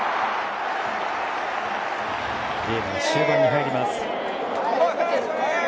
ゲームは終盤に入ります。